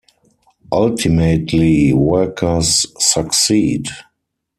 Ultimately, workers succeed.